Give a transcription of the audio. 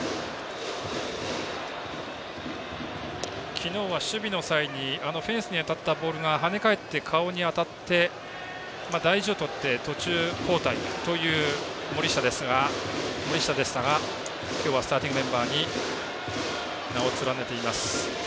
昨日は守備の際にフェンスに当たったボールが跳ね返って顔に当たって、大事をとって途中交代という森下でしたが今日はスターティングメンバーに名を連ねています。